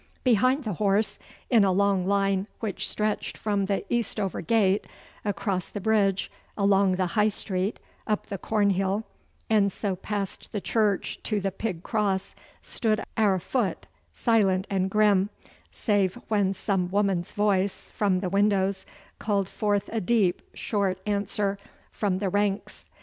Behind the horse, in a long line which stretched from the Eastover gate, across the bridge, along the High Street, up the Cornhill, and so past the church to the Pig Cross, stood our foot, silent and grim, save when some woman's voice from the windows called forth a deep, short answer from the ranks.